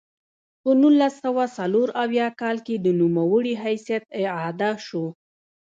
په نولس سوه څلور اویا کال کې د نوموړي حیثیت اعاده شو.